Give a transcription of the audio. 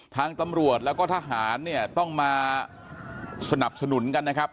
ทางตำรวจแล้วก็ทหารเนี่ยต้องมาสนับสนุนกันนะครับ